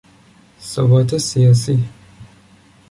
ثبات سیاسی